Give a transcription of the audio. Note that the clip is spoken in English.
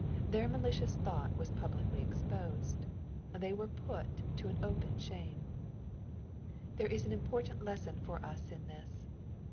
Their malicious thought was publicly exposed. They were put to an open shame. There is an important lesson for us in this.